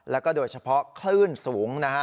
แล้วก็โดยเฉพาะคลื่นสูงนะฮะ